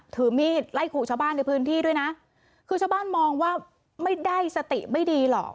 ถือมีดไล่ขู่ชาวบ้านในพื้นที่ด้วยนะคือชาวบ้านมองว่าไม่ได้สติไม่ดีหรอก